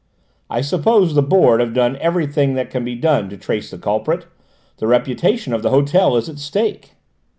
I suppose the Board have done everything that can be done to trace the culprit? The reputation of the hotel is at stake."